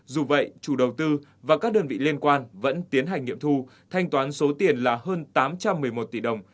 dù vậy chủ đầu tư và các đơn vị liên quan vẫn tiến hành nghiệm thu thanh toán số tiền là hơn tám trăm một mươi một tỷ đồng